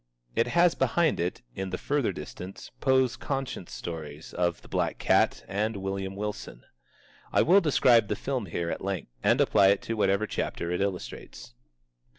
It has behind it, in the further distance, Poe's conscience stories of The Black Cat, and William Wilson. I will describe the film here at length, and apply it to whatever chapters it illustrates.